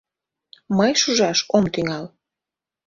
Мый шужаш ом тӱҥал.